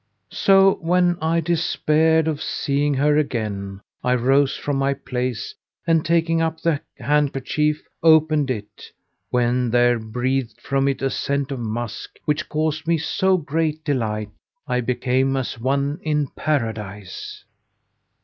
So when I despaired of seeing her again, I rose from my place and taking up the handkerchief, opened it, when there breathed from it a scent of musk which caused me so great delight I became as one in Paradise.